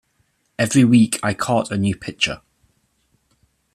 Every week I caught a new pitcher.